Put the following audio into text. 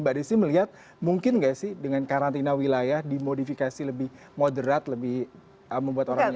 mbak desi melihat mungkin nggak sih dengan karantina wilayah dimodifikasi lebih moderat lebih membuat orang lebih